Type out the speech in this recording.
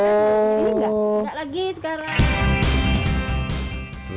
jadi nggak nggak lagi sekarang